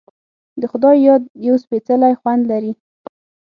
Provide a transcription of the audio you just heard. د خدای یاد یو سپیڅلی خوند لري.